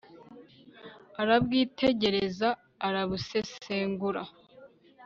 arabwitegereza, arabusesengura